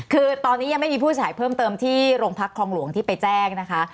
คือตอนนี้ยังไม่มีผู้สายเพิ่มเติมที่โรงพักคลองหลวงที่ไปแจ้งนะคะ